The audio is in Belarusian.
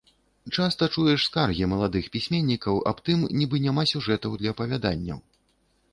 Часта чуеш скаргі маладых пісьменнікаў аб тым, нібы няма сюжэтаў для апавяданняў.